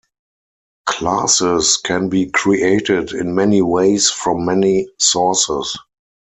Classes can be created in many ways from many sources.